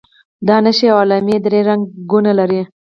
دا نښې او علامې درې رنګونه لري.